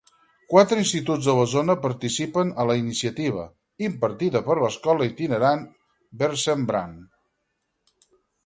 Quatre instituts de la zona participen a la iniciativa, impartida per l'escola itinerant Versembrant.